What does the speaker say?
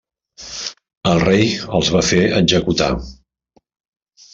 El rei els va fer executar.